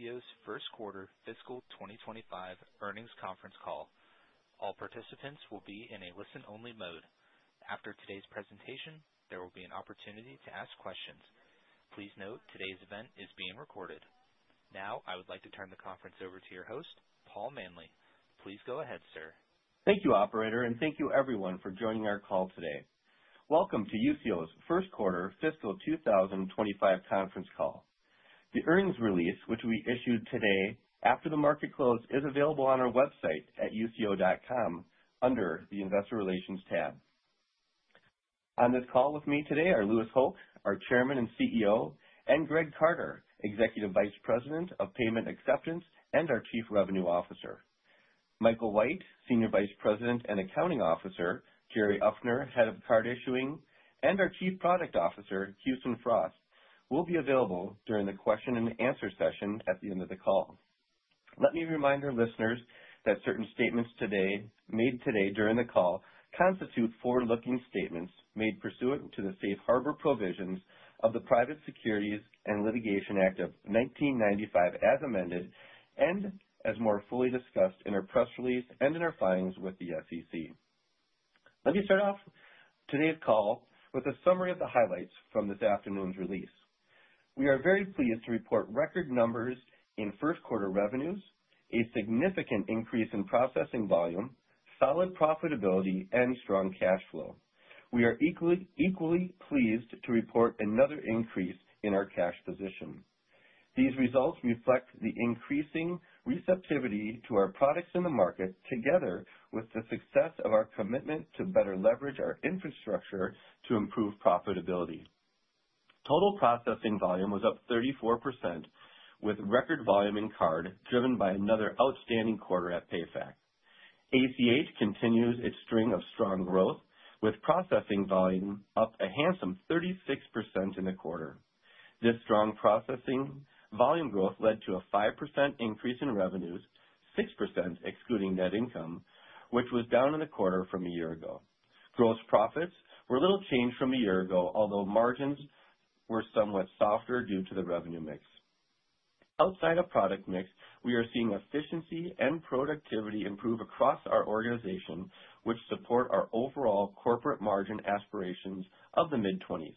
Hello, and welcome to Usio's first quarter fiscal 2025 earnings conference call. All participants will be in a listen-only mode. After today's presentation, there will be an opportunity to ask questions. Please note today's event is being recorded. Now, I would like to turn the conference over to your host, Paul Manley. Please go ahead, sir. Thank you, Operator, and thank you, everyone, for joining our call today. Welcome to Usio's first quarter fiscal 2025 conference call. The earnings release, which we issued today after the market close, is available on our website at usio.com under the Investor Relations tab. On this call with me today are Louis Hoch, our Chairman and CEO, and Greg Carter, Executive Vice President of Payment Acceptance and our Chief Revenue Officer. Michael White, Senior Vice President and Accounting Officer; Jerry Uffner, Head of Card Issuing; and our Chief Product Officer, Houston Frost, will be available during the question-and-answer session at the end of the call. Let me remind our listeners that certain statements made today during the call constitute forward-looking statements made pursuant to the safe harbor provisions of the Private Securities and Litigation Act of 1995, as amended and as more fully discussed in our press release and in our filings with the SEC. Let me start off today's call with a summary of the highlights from this afternoon's release. We are very pleased to report record numbers in first quarter revenues, a significant increase in processing volume, solid profitability, and strong cash flow. We are equally pleased to report another increase in our cash position. These results reflect the increasing receptivity to our products in the market, together with the success of our commitment to better leverage our infrastructure to improve profitability. Total processing volume was up 34%, with record volume in card driven by another outstanding quarter at PayFac. ACH continues its string of strong growth, with processing volume up a handsome 36% in the quarter. This strong processing volume growth led to a 5% increase in revenues, 6% excluding net income, which was down in the quarter from a year ago. Gross profits were a little changed from a year ago, although margins were somewhat softer due to the revenue mix. Outside of product mix, we are seeing efficiency and productivity improve across our organization, which support our overall corporate margin aspirations of the mid-20s.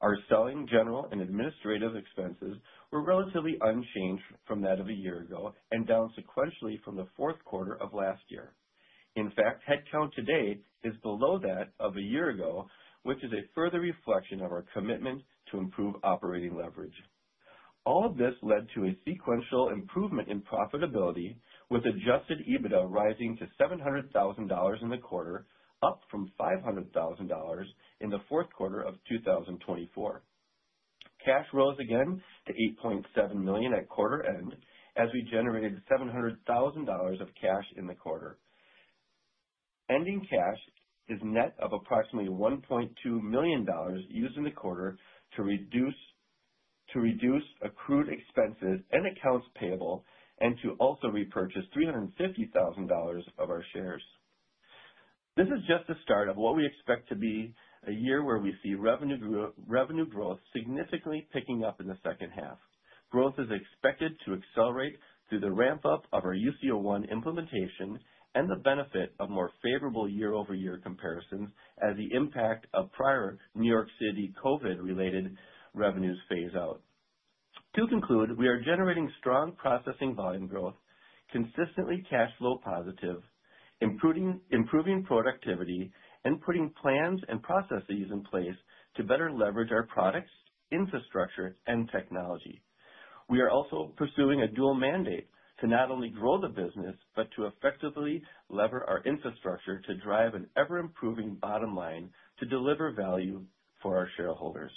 Our selling, general, and administrative expenses were relatively unchanged from that of a year ago and down sequentially from the fourth quarter of last year. In fact, headcount today is below that of a year ago, which is a further reflection of our commitment to improve operating leverage. All of this led to a sequential improvement in profitability, with adjusted EBITDA rising to $700,000 in the quarter, up from $500,000 in the fourth quarter of 2024. Cash rose again to $8.7 million at quarter end as we generated $700,000 of cash in the quarter. Ending cash is net of approximately $1.2 million used in the quarter to reduce accrued expenses and accounts payable and to also repurchase $350,000 of our shares. This is just the start of what we expect to be a year where we see revenue growth significantly picking up in the second half. Growth is expected to accelerate through the ramp-up of our Usio One implementation and the benefit of more favorable year-over-year comparisons as the impact of prior New York City COVID-related revenues fades out. To conclude, we are generating strong processing volume growth, consistently cash flow positive, improving productivity, and putting plans and processes in place to better leverage our products, infrastructure, and technology. We are also pursuing a dual mandate to not only grow the business but to effectively lever our infrastructure to drive an ever-improving bottom line to deliver value for our shareholders.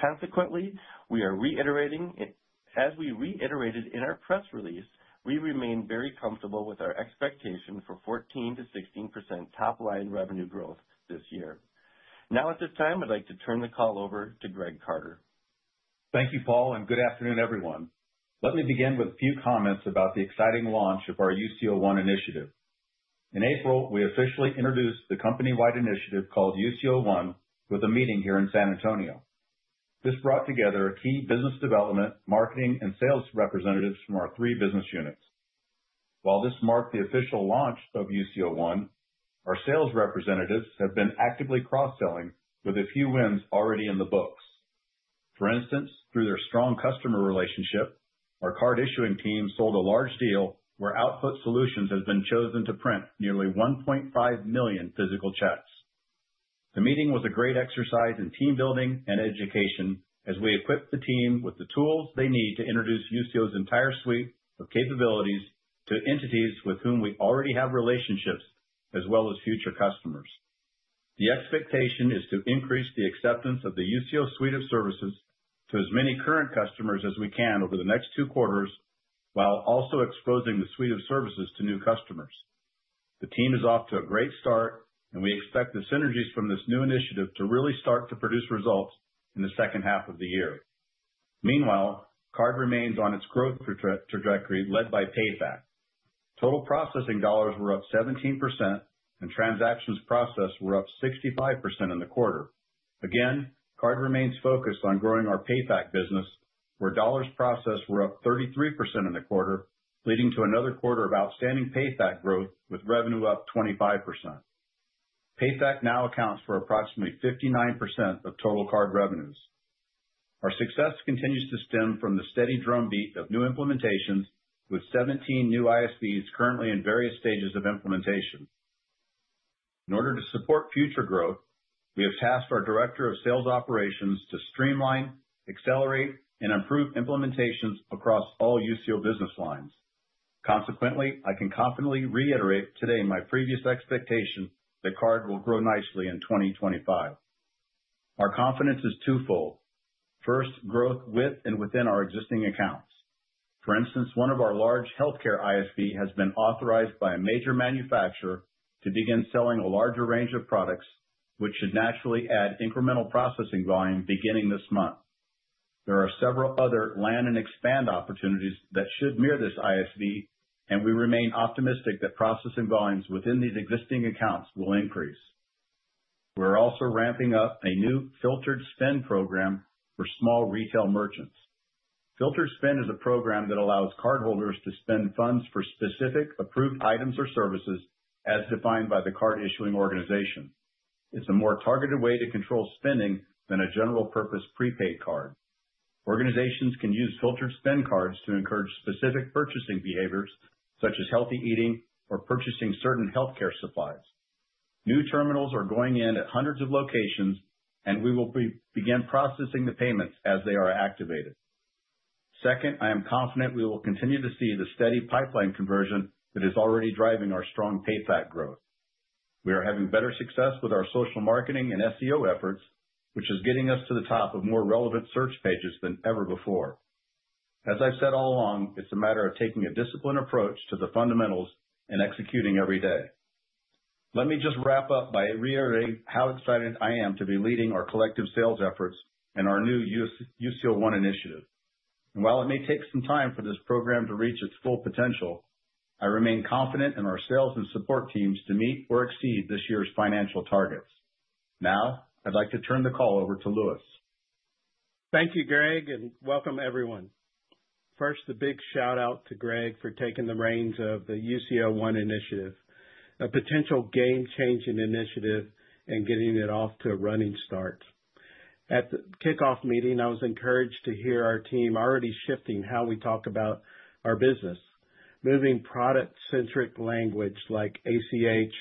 Consequently, as we reiterated in our press release, we remain very comfortable with our expectation for 14%-16% top-line revenue growth this year. Now, at this time, I'd like to turn the call over to Greg Carter. Thank you, Paul, and good afternoon, everyone. Let me begin with a few comments about the exciting launch of our Usio One initiative. In April, we officially introduced the company-wide initiative called Usio One with a meeting here in San Antonio. This brought together key business development, marketing, and sales representatives from our three business units. While this marked the official launch of Usio One, our sales representatives have been actively cross-selling, with a few wins already in the books. For instance, through their strong customer relationship, our card issuing team sold a large deal where Output Solutions has been chosen to print nearly 1.5 million physical checks. The meeting was a great exercise in team building and education as we equipped the team with the tools they need to introduce Usio's entire suite of capabilities to entities with whom we already have relationships, as well as future customers. The expectation is to increase the acceptance of the Usio suite of services to as many current customers as we can over the next two quarters, while also exposing the suite of services to new customers. The team is off to a great start, and we expect the synergies from this new initiative to really start to produce results in the second half of the year. Meanwhile, card remains on its growth trajectory led by PayFac. Total processing dollars were up 17%, and transactions processed were up 65% in the quarter. Again, card remains focused on growing our PayFac business, where dollars processed were up 33% in the quarter, leading to another quarter of outstanding PayFac growth with revenue up 25%. PayFac now accounts for approximately 59% of total card revenues. Our success continues to stem from the steady drumbeat of new implementations, with 17 new ISVs currently in various stages of implementation. In order to support future growth, we have tasked our Director of Sales Operations to streamline, accelerate, and improve implementations across all Usio business lines. Consequently, I can confidently reiterate today my previous expectation that card will grow nicely in 2025. Our confidence is twofold. First, growth with and within our existing accounts. For instance, one of our large healthcare ISVs has been authorized by a major manufacturer to begin selling a larger range of products, which should naturally add incremental processing volume beginning this month. There are several other land-and-expand opportunities that should mirror this ISV, and we remain optimistic that processing volumes within these existing accounts will increase. We're also ramping up a new filtered spend program for small retail merchants. Filtered Spend is a program that allows cardholders to spend funds for specific approved items or services as defined by the card issuing organization. It's a more targeted way to control spending than a general-purpose prepaid card. Organizations can use Filtered Spend cards to encourage specific purchasing behaviors, such as healthy eating or purchasing certain healthcare supplies. New terminals are going in at hundreds of locations, and we will begin processing the payments as they are activated. Second, I am confident we will continue to see the steady pipeline conversion that is already driving our strong PayFact growth. We are having better success with our social marketing and SEO efforts, which is getting us to the top of more relevant search pages than ever before. As I've said all along, it's a matter of taking a disciplined approach to the fundamentals and executing every day. Let me just wrap up by reiterating how excited I am to be leading our collective sales efforts and our new Usio One initiative. While it may take some time for this program to reach its full potential, I remain confident in our sales and support teams to meet or exceed this year's financial targets. Now, I'd like to turn the call over to Louis. Thank you, Greg, and welcome, everyone. First, a big shout-out to Greg for taking the reins of the Usio One initiative, a potential game-changing initiative, and getting it off to a running start. At the kickoff meeting, I was encouraged to hear our team already shifting how we talk about our business, moving product-centric language like ACH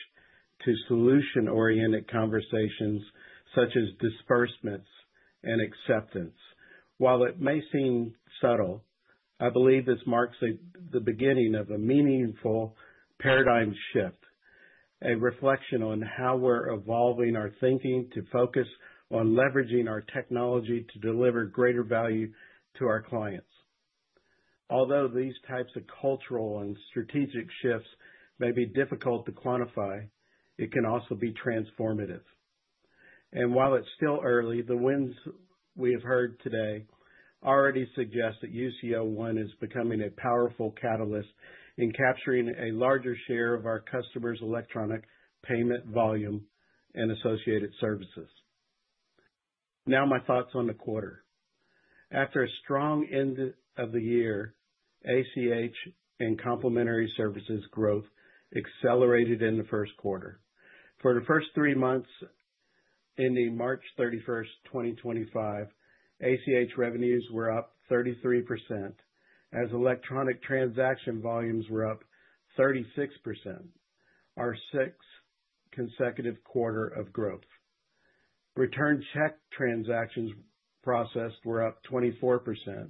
to solution-oriented conversations such as disbursements and acceptance. While it may seem subtle, I believe this marks the beginning of a meaningful paradigm shift, a reflection on how we're evolving our thinking to focus on leveraging our technology to deliver greater value to our clients. Although these types of cultural and strategic shifts may be difficult to quantify, it can also be transformative. While it's still early, the winds we have heard today already suggest that Usio One is becoming a powerful catalyst in capturing a larger share of our customers' electronic payment volume and associated services. Now, my thoughts on the quarter. After a strong end of the year, ACH and complementary services growth accelerated in the first quarter. For the first three months, ending March 31, 2025, ACH revenues were up 33%, as electronic transaction volumes were up 36%, our sixth consecutive quarter of growth. Returned check transactions processed were up 24%,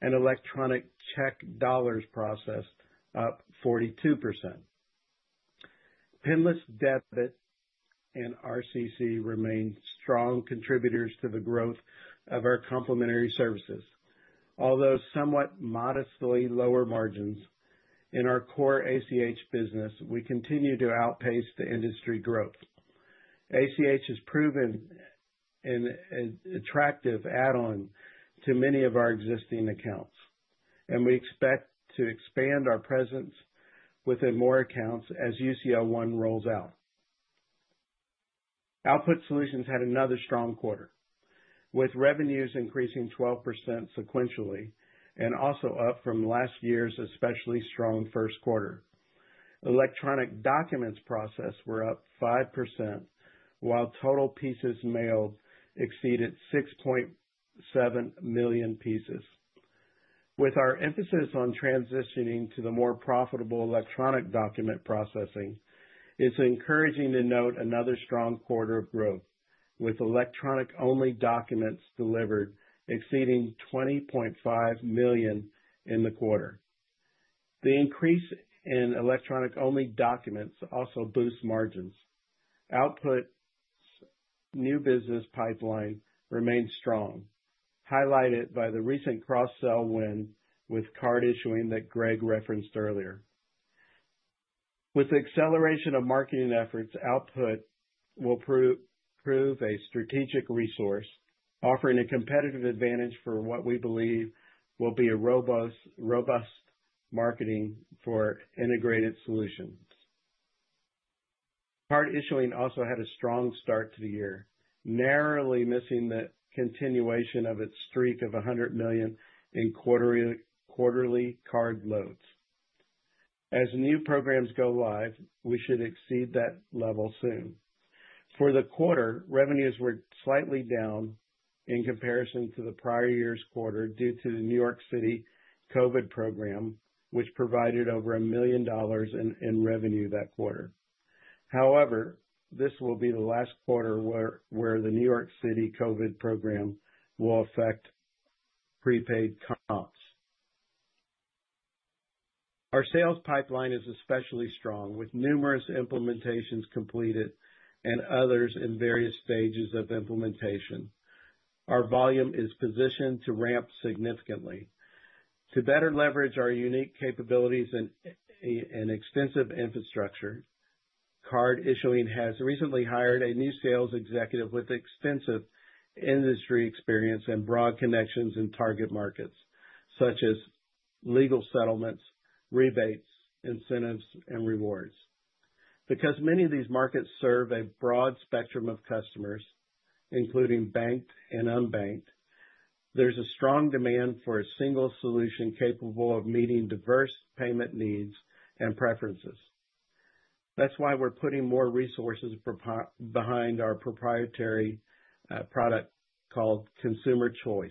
and electronic check dollars processed up 42%. Pinless debit and RCC remain strong contributors to the growth of our complementary services. Although somewhat modestly lower margins in our core ACH business, we continue to outpace the industry growth. ACH has proven an attractive add-on to many of our existing accounts, and we expect to expand our presence within more accounts as Usio One rolls out. Output Solutions had another strong quarter, with revenues increasing 12% sequentially and also up from last year's especially strong first quarter. Electronic documents processed were up 5%, while total pieces mailed exceeded 6.7 million pieces. With our emphasis on transitioning to the more profitable electronic document processing, it's encouraging to note another strong quarter of growth, with electronic-only documents delivered exceeding 20.5 million in the quarter. The increase in electronic-only documents also boosts margins. Output's new business pipeline remains strong, highlighted by the recent cross-sell win with card issuing that Greg referenced earlier. With the acceleration of marketing efforts, Output will prove a strategic resource, offering a competitive advantage for what we believe will be a robust marketing for integrated solutions. Card issuing also had a strong start to the year, narrowly missing the continuation of its streak of $100 million in quarterly card loads. As new programs go live, we should exceed that level soon. For the quarter, revenues were slightly down in comparison to the prior year's quarter due to the New York City COVID program, which provided over $1 million in revenue that quarter. However, this will be the last quarter where the New York City COVID program will affect prepaid comps. Our sales pipeline is especially strong, with numerous implementations completed and others in various stages of implementation. Our volume is positioned to ramp significantly. To better leverage our unique capabilities and extensive infrastructure, card issuing has recently hired a new sales executive with extensive industry experience and broad connections in target markets, such as legal settlements, rebates, incentives, and rewards. Because many of these markets serve a broad spectrum of customers, including banked and unbanked, there's a strong demand for a single solution capable of meeting diverse payment needs and preferences. That's why we're putting more resources behind our proprietary product called Consumer Choice,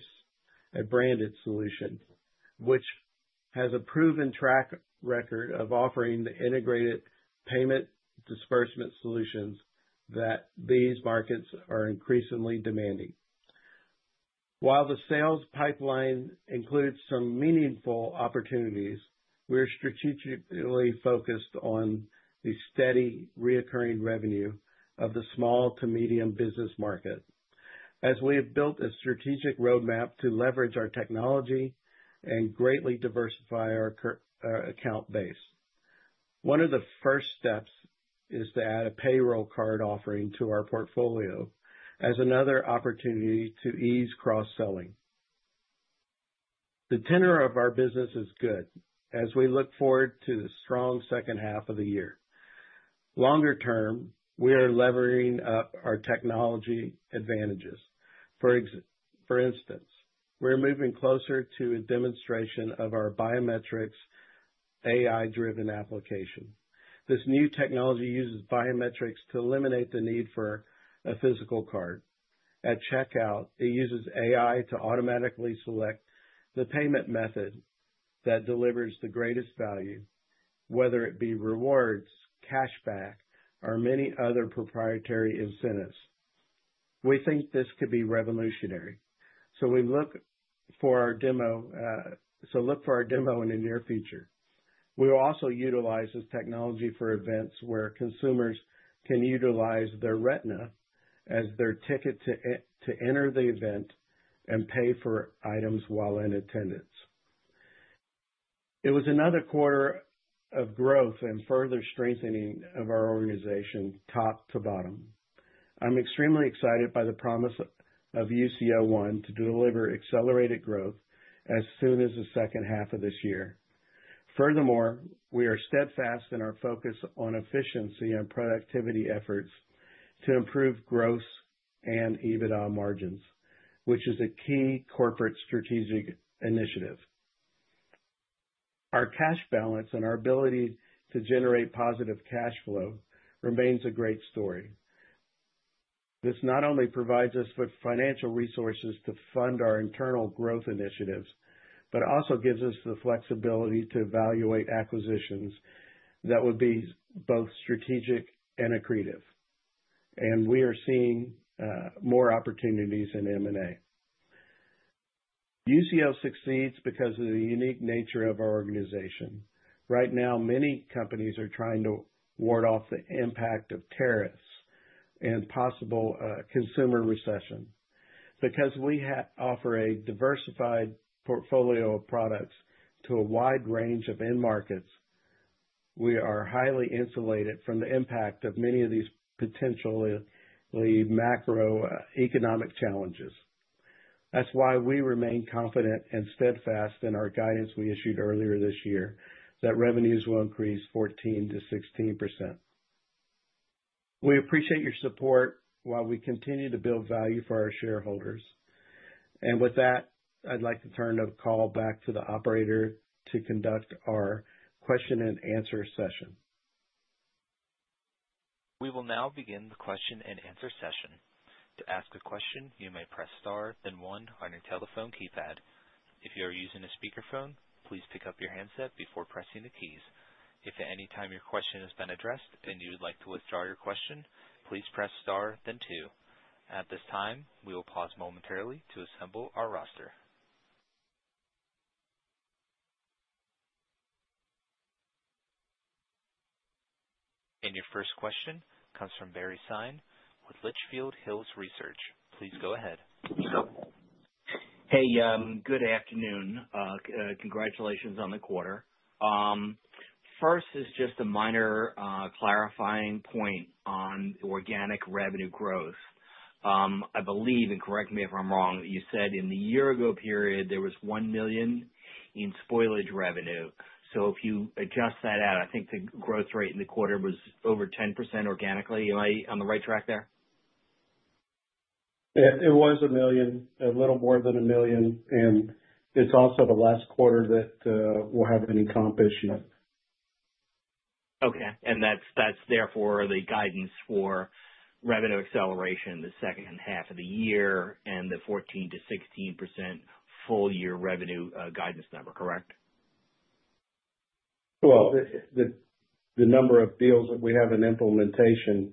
a branded solution, which has a proven track record of offering the integrated payment disbursement solutions that these markets are increasingly demanding. While the sales pipeline includes some meaningful opportunities, we are strategically focused on the steady recurring revenue of the small to medium business market, as we have built a strategic roadmap to leverage our technology and greatly diversify our account base. One of the first steps is to add a payroll card offering to our portfolio as another opportunity to ease cross-selling. The tenor of our business is good, as we look forward to the strong second half of the year. Longer term, we are leveraging up our technology advantages. For instance, we're moving closer to a demonstration of our biometrics AI-driven application. This new technology uses biometrics to eliminate the need for a physical card. At checkout, it uses AI to automatically select the payment method that delivers the greatest value, whether it be rewards, cashback, or many other proprietary incentives. We think this could be revolutionary, so we look for our demo in the near future. We will also utilize this technology for events where consumers can utilize their retina as their ticket to enter the event and pay for items while in attendance. It was another quarter of growth and further strengthening of our organization top to bottom. I'm extremely excited by the promise of Usio One to deliver accelerated growth as soon as the second half of this year. Furthermore, we are steadfast in our focus on efficiency and productivity efforts to improve gross and EBITDA margins, which is a key corporate strategic initiative. Our cash balance and our ability to generate positive cash flow remains a great story. This not only provides us with financial resources to fund our internal growth initiatives, but also gives us the flexibility to evaluate acquisitions that would be both strategic and accretive. We are seeing more opportunities in M&A. Usio succeeds because of the unique nature of our organization. Right now, many companies are trying to ward off the impact of tariffs and possible consumer recession. Because we offer a diversified portfolio of products to a wide range of end markets, we are highly insulated from the impact of many of these potentially macroeconomic challenges. That's why we remain confident and steadfast in our guidance we issued earlier this year that revenues will increase 14%-16%. We appreciate your support while we continue to build value for our shareholders. With that, I'd like to turn the call back to the operator to conduct our question-and-answer session. We will now begin the question-and-answer session. To ask a question, you may press star, then one, on your telephone keypad. If you are using a speakerphone, please pick up your handset before pressing the keys. If at any time your question has been addressed and you would like to withdraw your question, please press star, then two. At this time, we will pause momentarily to assemble our roster. Your first question comes from Barry Sine with Litchfield Hills Research. Please go ahead. Hey, good afternoon. Congratulations on the quarter. First is just a minor clarifying point on organic revenue growth. I believe, and correct me if I'm wrong, that you said in the year-ago period, there was one million in spoilage revenue. So if you adjust that out, I think the growth rate in the quarter was over 10% organically. Am I on the right track there? It was a million, a little more than a million. It is also the last quarter that we'll have any comp issues. Okay. And that's there for the guidance for revenue acceleration in the second half of the year and the 14%-16% full-year revenue guidance number, correct? The number of deals that we have in implementation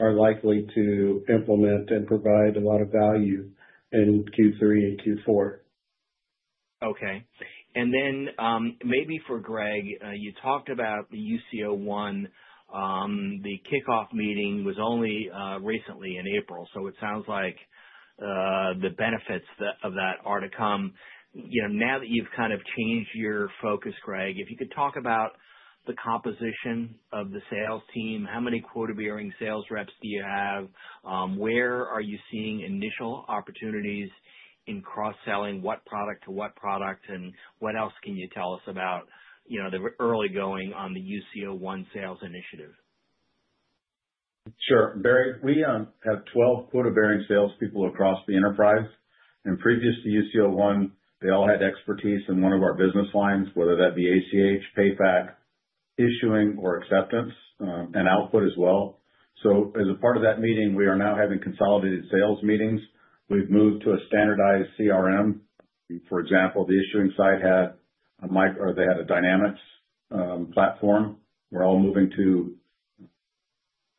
are likely to implement and provide a lot of value in Q3 and Q4. Okay. And then maybe for Greg, you talked about the Usio One. The kickoff meeting was only recently in April, so it sounds like the benefits of that are to come. Now that you've kind of changed your focus, Greg, if you could talk about the composition of the sales team, how many quota-bearing sales reps do you have? Where are you seeing initial opportunities in cross-selling? What product to what product? What else can you tell us about the early going on the Usio One sales initiative? Sure. Barry, we have 12 quota-bearing salespeople across the enterprise. Previous to Usio One, they all had expertise in one of our business lines, whether that be ACH, PayFac, issuing, or acceptance, and Output as well. As a part of that meeting, we are now having consolidated sales meetings. We've moved to a standardized CRM. For example, the issuing side had a Microsoft—they had a Dynamics platform. We're all moving to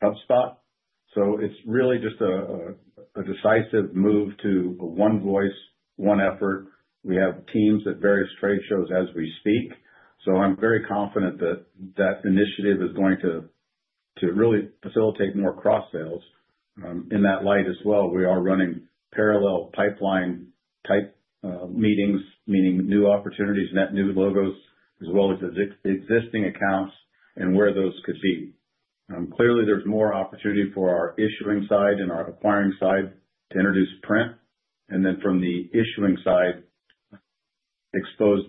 HubSpot. It's really just a decisive move to a one voice, one effort. We have teams at various trade shows as we speak. I'm very confident that that initiative is going to really facilitate more cross-sales. In that light as well, we are running parallel pipeline-type meetings, meaning new opportunities, net new logos, as well as existing accounts and where those could be. Clearly, there's more opportunity for our issuing side and our acquiring side to introduce print, and then from the issuing side, expose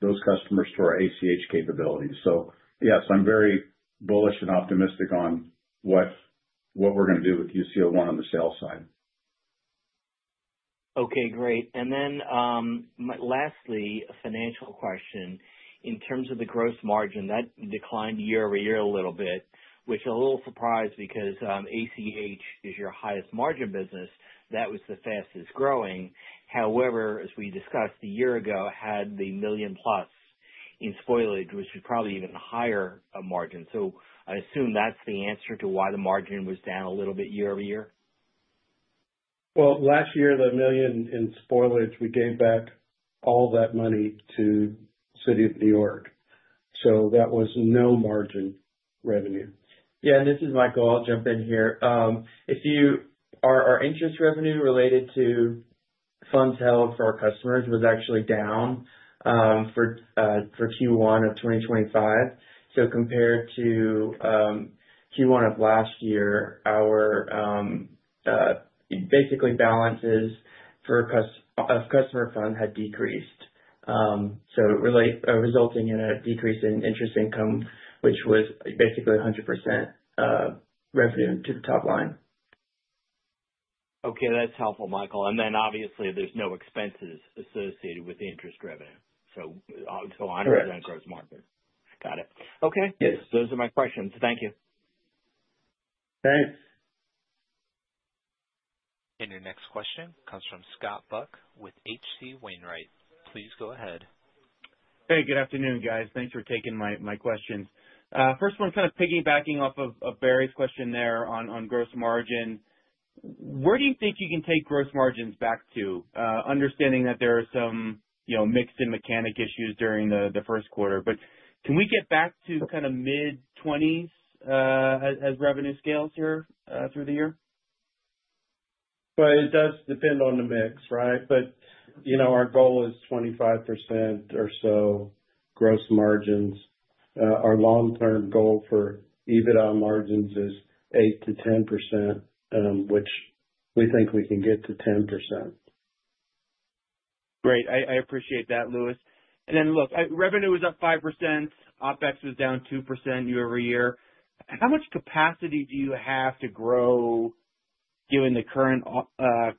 those customers to our ACH capabilities. Yes, I'm very bullish and optimistic on what we're going to do with Usio One on the sales side. Okay. Great. Lastly, a financial question. In terms of the gross margin, that declined year over year a little bit, which is a little surprise because ACH is your highest margin business. That was the fastest growing. However, as we discussed a year ago, had the million-plus in spoilage, which is probably even a higher margin. I assume that's the answer to why the margin was down a little bit year over year? Last year, the million in spoilage, we gave back all that money to the City of New York. So that was no margin revenue. Yeah. This is Michael. I'll jump in here. Our interest revenue related to funds held for our customers was actually down for Q1 of 2025. Compared to Q1 of last year, our basically balances of customer fund had decreased, resulting in a decrease in interest income, which was basically 100% revenue to the top line. Okay. That's helpful, Michael. Obviously, there's no expenses associated with interest revenue, so 100% gross margin. Correct. Got it. Okay. Those are my questions. Thank you. Thanks. Your next question comes from Scott Buck with H.C. Wainwright. Please go ahead. Hey, good afternoon, guys. Thanks for taking my questions. First one, kind of piggybacking off of Barry's question there on gross margin, where do you think you can take gross margins back to, understanding that there are some mix and mechanic issues during the first quarter? Can we get back to kind of mid-20s as revenue scales here through the year? It does depend on the mix, right? Our goal is 25% or so gross margins. Our long-term goal for EBITDA margins is 8%-10%, which we think we can get to 10%. Great. I appreciate that, Louis. Look, revenue was up 5%. OpEx was down 2% year over year. How much capacity do you have to grow given the current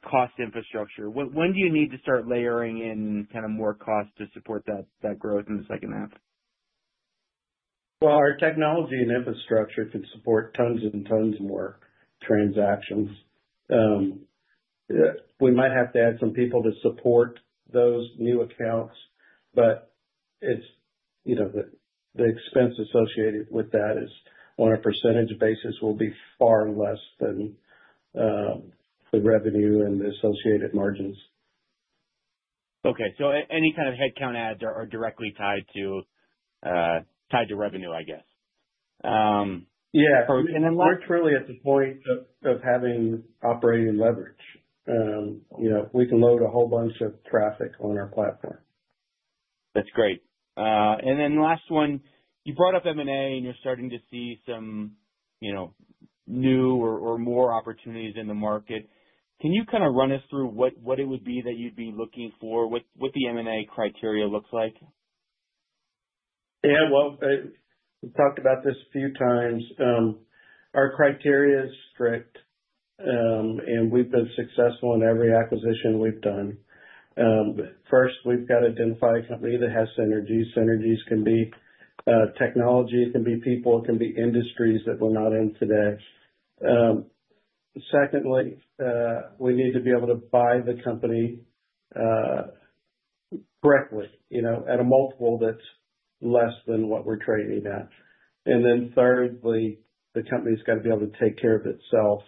cost infrastructure? When do you need to start layering in kind of more cost to support that growth in the second half? Our technology and infrastructure can support tons and tons more transactions. We might have to add some people to support those new accounts, but the expense associated with that is on a percentage basis will be far less than the revenue and the associated margins. Okay. So any kind of headcount adds are directly tied to revenue, I guess. Yeah. We're truly at the point of having operating leverage. We can load a whole bunch of traffic on our platform. That's great. Last one, you brought up M&A, and you're starting to see some new or more opportunities in the market. Can you kind of run us through what it would be that you'd be looking for, what the M&A criteria looks like? Yeah. We have talked about this a few times. Our criteria is strict, and we have been successful in every acquisition we have done. First, we have got to identify a company that has synergies. Synergies can be technology. It can be people. It can be industries that we are not in today. Secondly, we need to be able to buy the company correctly at a multiple that is less than what we are trading at. Thirdly, the company has got to be able to take care of itself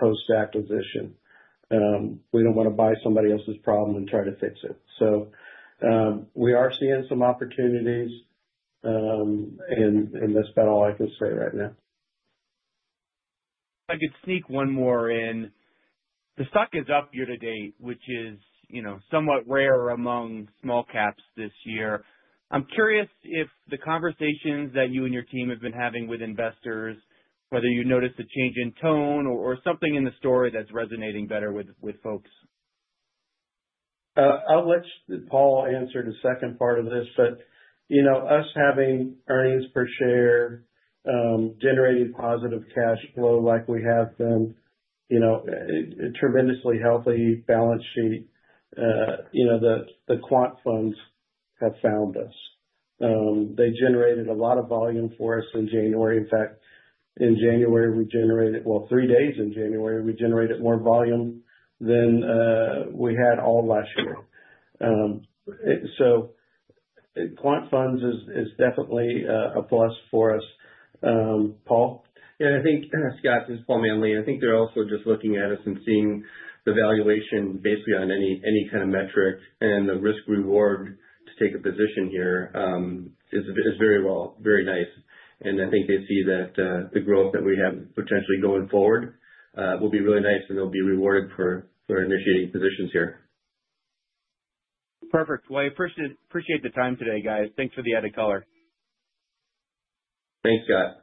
post-acquisition. We do not want to buy somebody else's problem and try to fix it. We are seeing some opportunities, and that is about all I can say right now. I could sneak one more in. The stock is up year to date, which is somewhat rare among small caps this year. I'm curious if the conversations that you and your team have been having with investors, whether you noticed a change in tone or something in the story that's resonating better with folks. I'll let Paul answer the second part of this. Us having earnings per share, generating positive cash flow like we have been, a tremendously healthy balance sheet, the quant funds have found us. They generated a lot of volume for us in January. In fact, in January, we generated, well, three days in January, we generated more volume than we had all last year. Quant funds is definitely a plus for us. Paul? Yeah. I think Scott just called me on leave. I think they're also just looking at us and seeing the valuation basically on any kind of metric, and the risk-reward to take a position here is very nice. I think they see that the growth that we have potentially going forward will be really nice, and they'll be rewarded for initiating positions here. Perfect. I appreciate the time today, guys. Thanks for the added color. Thanks, Scott.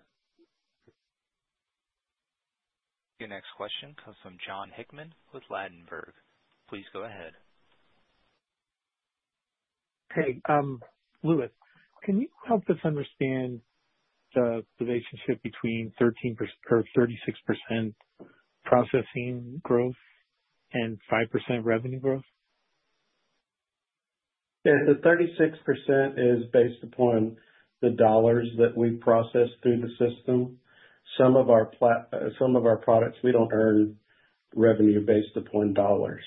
Your next question comes from John Hickman with Ladenburg. Please go ahead. Hey, Louis, can you help us understand the relationship between 13% or 36% processing growth and 5% revenue growth? Yeah. 36% is based upon the dollars that we process through the system. Some of our products, we don't earn revenue based upon dollars.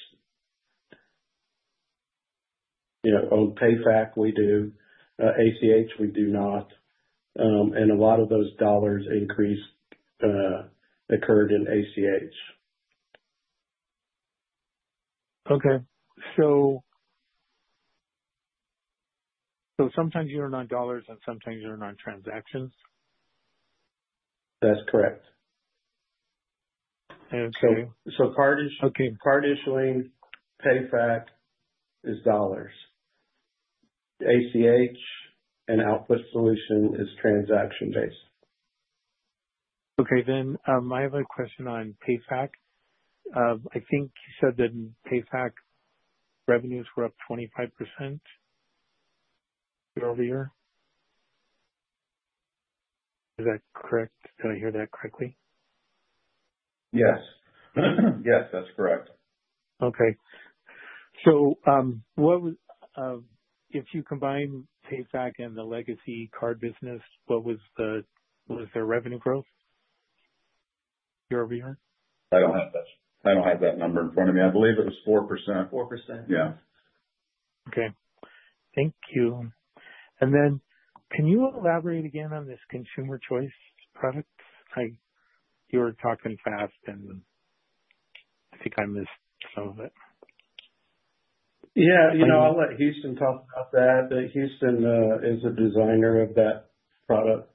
On PayFac, we do. ACH, we do not. A lot of those dollars increase occurred in ACH. Okay. So sometimes you're on dollars, and sometimes you're on transactions? That's correct. Okay. Part issuing, PayFac is dollars. ACH and Output Solutions is transaction-based. Okay. Then I have a question on PayFac. I think you said that PayFac revenues were up 25% year over year. Is that correct? Did I hear that correctly? Yes. Yes, that's correct. Okay. If you combine PayFac and the legacy card business, what was their revenue growth year over year? I don't have that. I don't have that number in front of me. I believe it was 4%. 4%? Yeah. Okay. Thank you. Can you elaborate again on this Consumer Choice product? You were talking fast, and I think I missed some of it. Yeah. I'll let Houston talk about that. Houston is the designer of that product.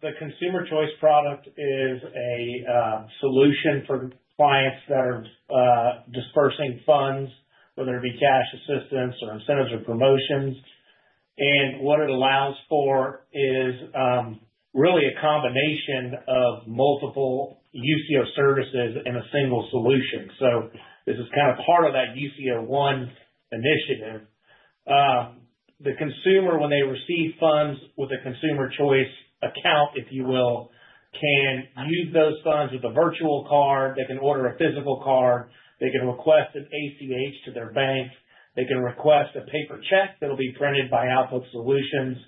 The Consumer Choice product is a solution for clients that are dispersing funds, whether it be cash assistance or incentives or promotions. What it allows for is really a combination of multiple Usio services in a single solution. This is kind of part of that Usio One initiative. The consumer, when they receive funds with a Consumer Choice account, if you will, can use those funds with a virtual card. They can order a physical card. They can request an ACH to their bank. They can request a paper check that'll be printed by Output Solutions.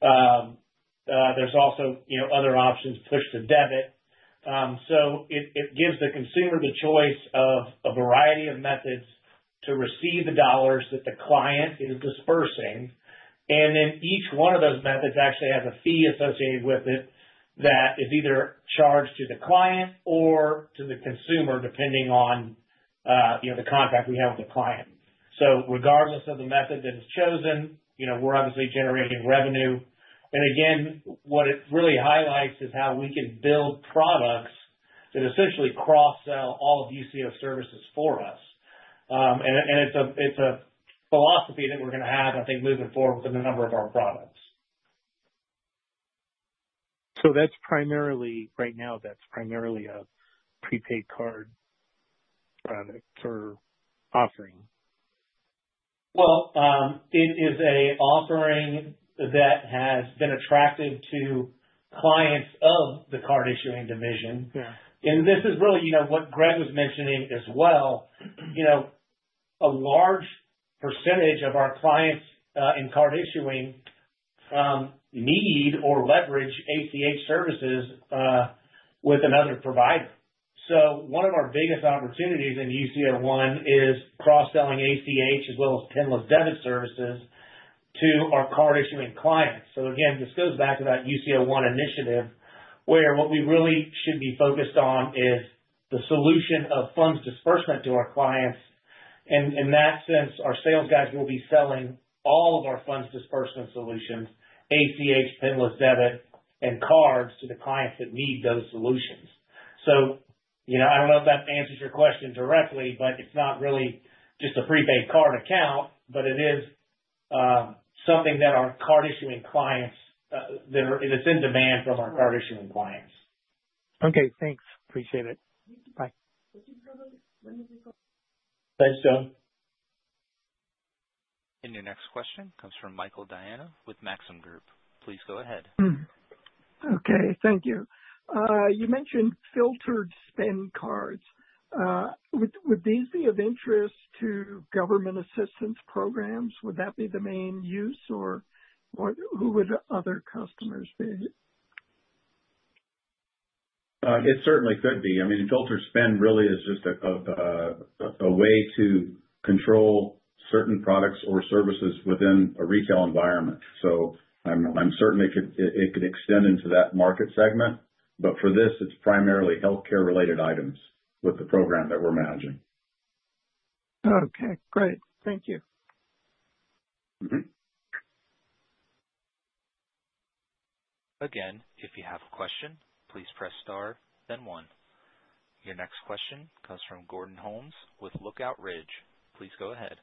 There are also other options, push-to-debit. It gives the consumer the choice of a variety of methods to receive the dollars that the client is dispersing. Each one of those methods actually has a fee associated with it that is either charged to the client or to the consumer, depending on the contact we have with the client. Regardless of the method that is chosen, we're obviously generating revenue. What it really highlights is how we can build products that essentially cross-sell all of Usio services for us. It's a philosophy that we're going to have, I think, moving forward with a number of our products. That's primarily right now, that's primarily a prepaid card product or offering? It is an offering that has been attractive to clients of the card issuing division. This is really what Greg was mentioning as well. A large percentage of our clients in card issuing need or leverage ACH services with another provider. One of our biggest opportunities in Usio One is cross-selling ACH as well as pinless debit services to our card issuing clients. This goes back to that Usio One initiative where what we really should be focused on is the solution of funds disbursement to our clients. In that sense, our sales guys will be selling all of our funds disbursement solutions, ACH, pinless debit, and cards to the clients that need those solutions. I don't know if that answers your question directly, but it's not really just a prepaid card account, but it is something that our card issuing clients that are in demand from our card issuing clients. Okay. Thanks. Appreciate it. Bye. Thanks, Joe. Your next question comes from Michael Diana with Maxim Group. Please go ahead. Okay. Thank you. You mentioned filtered spend cards. Would these be of interest to government assistance programs? Would that be the main use, or who would other customers be? It certainly could be. I mean, Filtered Spend really is just a way to control certain products or services within a retail environment. So I'm certain it could extend into that market segment. But for this, it's primarily healthcare-related items with the program that we're managing. Okay. Great. Thank you. Again, if you have a question, please press star, then one. Your next question comes from Gordon Holmes with Lookout Ridge. Please go ahead.